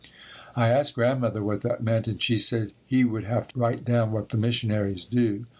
I asked Grandmother what that meant, and she said he would have to write down what the missionaries do.